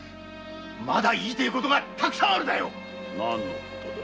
まだ言いてぇことがたくさんあるだよ何のことだ？